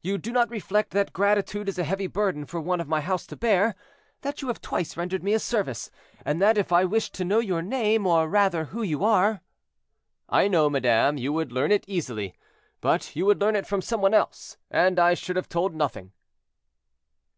You do not reflect that gratitude is a heavy burden for one of my house to bear; that you have twice rendered me a service, and that if I wished to know your name, or rather who you are—" "I know, madame, you would learn it easily; but you would learn it from some one else, and I should have told nothing."